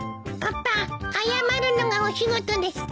パパ謝るのがお仕事ですか？